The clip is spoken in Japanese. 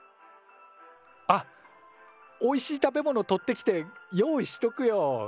あっおいしい食べ物取ってきて用意しとくよ。